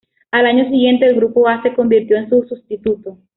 Al año siguiente el grupo A se convirtió en su sustituto.